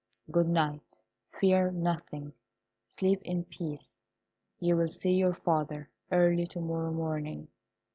Good night; fear nothing; sleep in peace. You will see your father early to morrow morning.